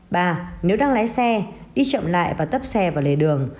ba nếu đang lái xe đi chậm lại và tấp xe vào lề đường